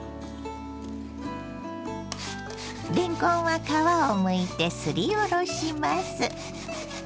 れんこんは皮をむいてすりおろします。